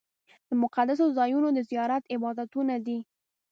د مقدسو ځایونو د زیارت عبادتونه دي.